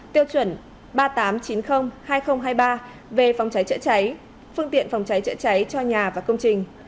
tiêu chuẩn ba nghìn tám trăm chín mươi hai nghìn hai mươi ba về phòng cháy chữa cháy phương tiện phòng cháy chữa cháy cho nhà và công trình